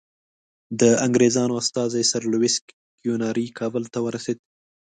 د انګریزانو استازی سر لویس کیوناري کابل ته ورسېد.